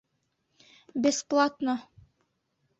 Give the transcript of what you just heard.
Бесплатно!